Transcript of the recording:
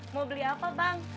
mau beli apa bang